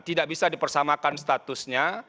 tidak bisa dipersamakan statusnya